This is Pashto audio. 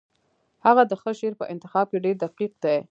هغه د ښه شعر په انتخاب کې ډېر دقیق دی